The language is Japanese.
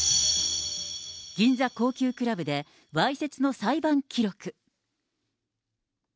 銀座高級クラブでわいせつの裁判記録。